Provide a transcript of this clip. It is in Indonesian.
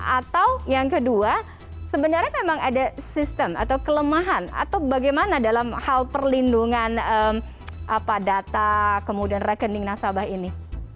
atau yang kedua sebenarnya memang ada sistem atau kelemahan atau bagaimana dalam hal perlindungan data kemudian rekening nasabah ini